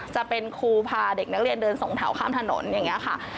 จะเป็นครูพาเด็กนักเรียนเดินส่งแถวข้ามถนนอย่างนี้ค่ะ